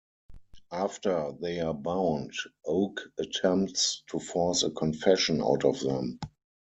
After they are bound, Oak attempts to force a confession out of them.